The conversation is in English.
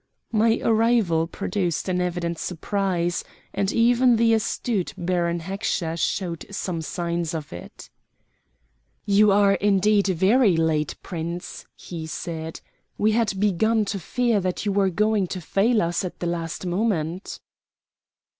My arrival produced an evident surprise, and even the astute Baron Heckscher showed some signs of it. "You are indeed very late, Prince," he said. "We had begun to fear that you were going to fail us at the last moment."